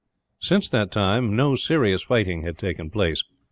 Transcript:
Since that time no serious fighting had taken place.